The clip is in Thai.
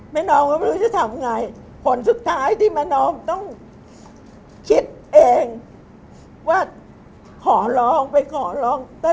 น้องก็ไม่รู้จะทำไงผลสุดท้ายที่แม่นอมต้องคิดเองว่าขอร้องไปขอร้อง